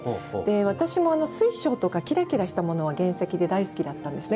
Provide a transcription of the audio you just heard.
私も水晶とかキラキラしたものは原石で大好きだったんですね。